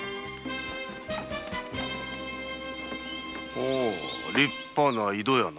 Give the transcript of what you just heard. ほう立派な井戸やな。